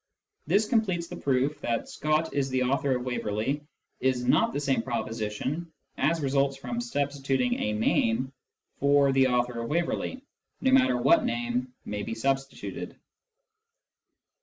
This completes the proof that " Scott is the author of Waverley " is not the same proposition 1 as results from substituting a name for " the author of Waverley" no matter what name may be substituted.